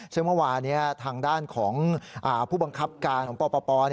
ซึ่งเมื่อวานี้ทางด้านของผู้บังคับการของปป